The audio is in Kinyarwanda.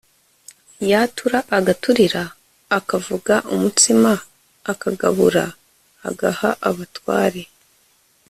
yatura agaturira, akavuga umutsima, akagabura, agaha abatware